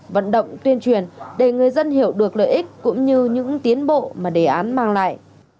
vận động tuyên truyền để người dân hiểu được lợi ích cũng như những tiến bộ mà đề án mang lại